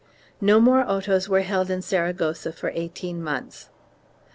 2 No more autos were held in Saragossa for eighteen months.